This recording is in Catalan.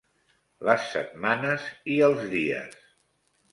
Les setmanes i els dies.